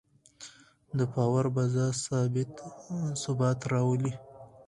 د باور فضا ثبات راولي